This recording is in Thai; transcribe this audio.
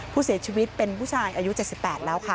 ผู้เสียชีวิตเป็นผู้ชายอายุ๗๘แล้วค่ะ